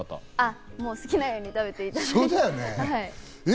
好きなように食べていただいて。